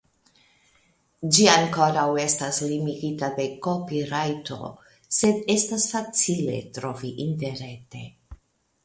Ĝi ankoraŭ estas limigita de kopirajto sed estas facile trovi interrete.